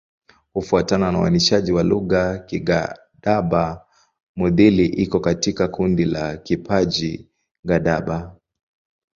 Kufuatana na uainishaji wa lugha, Kigadaba-Mudhili iko katika kundi la Kiparji-Gadaba.